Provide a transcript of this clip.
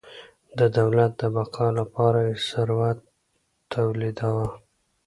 د دولت د بقا لپاره یې ثروت تولیداوه.